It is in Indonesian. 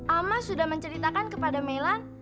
ama sudah menceritakan kepada melan